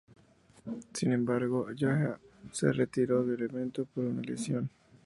Sin embargo, Yahya se retiró del evento por una lesión.